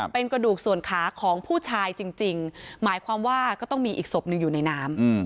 เป็นกระดูกส่วนขาของผู้ชายจริงหมายความว่าก็ต้องมีอีกศพหนึ่งอยู่ในน้ำ